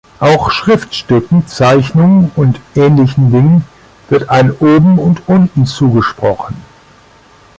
Auch Schriftstücken, Zeichnungen und ähnlichen Dingen wird ein Oben und Unten zugesprochen.